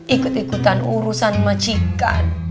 ikut ikutan urusan majikan